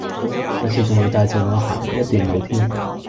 有時仲會帶住我行一段路添